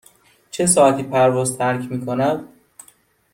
چه ساعتی پرواز ترک می کند؟